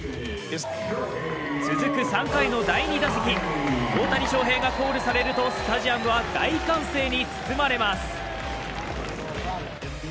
続く３回の第２打席、大谷翔平がコールされるとスタジアムは大歓声に包まれます。